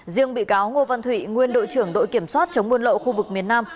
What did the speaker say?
riêng bị cáo ngô văn thụy nguyên đội trưởng đội kiểm soát chống buôn lậu khu vực miền nam